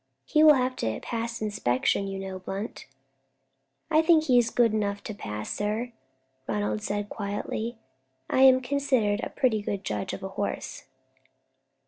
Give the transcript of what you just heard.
"He will have to pass inspection, you know, Blunt?" "I think he's good enough to pass, sir," Ronald said, quietly. "I am considered a pretty good judge of a horse."